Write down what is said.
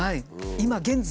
今現在？